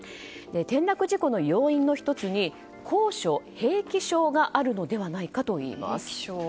転落事故の要因の１つに高所平気症があるのではないかといいます。